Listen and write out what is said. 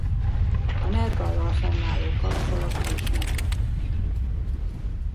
A Nergallal fennálló kapcsolata is megmaradt.